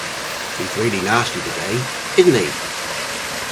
He's really nasty today, isn't he?